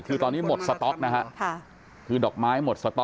คือตอนนี้หมดสต๊อกนะฮะคือดอกไม้หมดสต๊